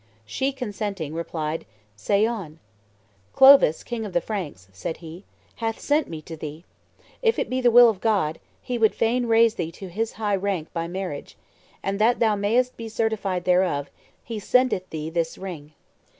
She consenting, replied, 'Say on.' 'Clovis, king of the Franks,' said he, 'hath sent me to thee: if it be the will of God, he would fain raise thee to his high rank by marriage; and that thou mayest be certified thereof, he sendeth thee this ring.